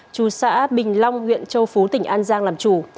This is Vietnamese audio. chú xã bình long huyện châu phú tỉnh an giang làm chủ